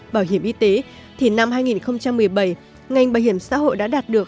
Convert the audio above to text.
bảo hiểm y tế thì năm hai nghìn một mươi bảy ngành bảo hiểm xã hội đã đạt được